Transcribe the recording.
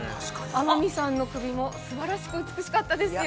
◆天海さんの首もすばらしく美しかったですよ。